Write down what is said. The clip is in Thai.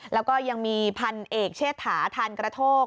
แล้วก็ยังมีพันเอกเชษฐาทานกระโทก